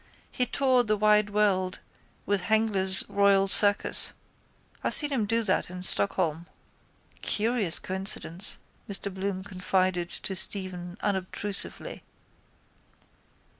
He toured the wide world with Hengler's Royal Circus. I seen him do that in Stockholm. —Curious coincidence, Mr Bloom confided to Stephen unobtrusively.